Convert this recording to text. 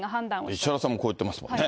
石原さんもこう言ってますもんね。